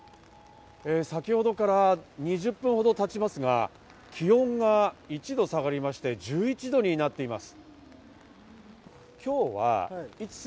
先ほどから２０分ほどたちますが、気温が１度下がりまして、１１度になっています。